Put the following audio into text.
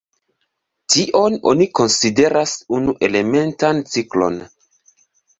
Tion oni konsideras unu-elementan ciklon.